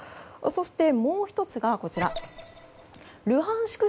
そして、もう１つがルハンシク